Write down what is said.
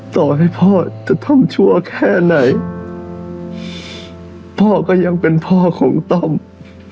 ต่อให้พ่อจะท่อมชัวร์แค่ไหนพ่อก็ยังเป็นพ่อของต้อม